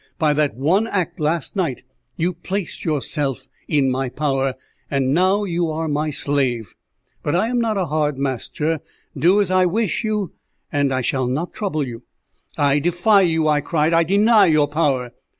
By that one act last night you placed yourself in my power, and now you are my slave. But I am not a hard master. Do as I wish you, and I shall not trouble you." "I defy you!" I cried. "I deny your power!"